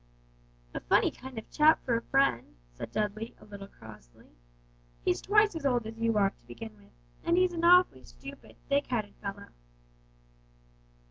"A funny kind of chap for a friend," said Dudley, a little crossly; "he's twice as old as you are, to begin with, and he's an awfully stupid, thick headed fellow."